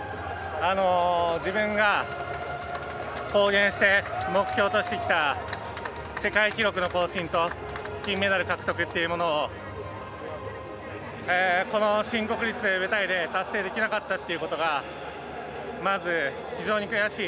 自分が、公言して目標としてきた世界記録の更新と金メダル獲得っていうものをこの新国立の舞台で達成できなかったことがまず、非常に悔しい。